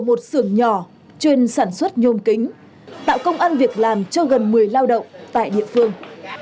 một xưởng nhỏ chuyên sản xuất nhôm kính tạo công an việc làm cho gần một mươi lao động tại địa phương